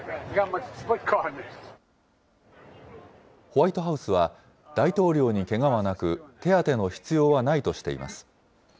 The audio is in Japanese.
ホワイトハウスは、大統領にけがはなく、手当ての必要はないとしています。